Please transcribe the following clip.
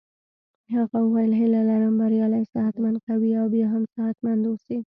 هغه وویل هیله لرم بریالی صحت مند قوي او بیا هم صحت مند اوسې.